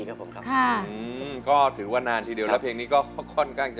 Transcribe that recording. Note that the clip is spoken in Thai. ขอบคุณค่ะ